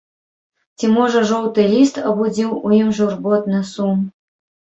Ці можа жоўты ліст абудзіў у ім журботны сум.